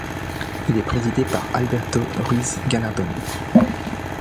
Il est présidé par Alberto Ruiz-Gallardón.